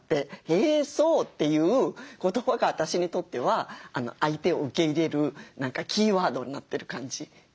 「へーそう」という言葉が私にとっては相手を受け入れるキーワードになってる感じですかね。